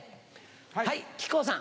はい木久扇さん。